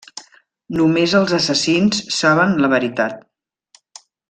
Només els assassins saben la veritat.